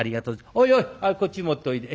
おいおいこっち持っておいで。